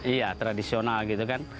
iya tradisional gitu kan